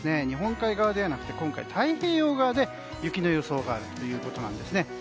日本海側ではなくて太平洋側で雪の予想があるということです。